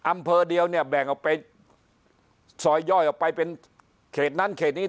อำเภอเดียวเนี่ยแบ่งออกไปซอยย่อยออกไปเป็นเขตนั้นเขตนี้